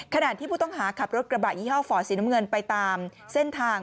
ขณะที่ผู้ต้องหาขับรถกระบะยี่ห้อฝ่อสีน้ำเงินไปตามเส้นทาง